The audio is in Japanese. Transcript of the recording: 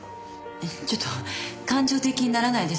ちょっと感情的にならないでさ。